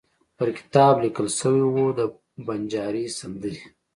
پر کتاب لیکل شوي وو: د بنجاري سندرې.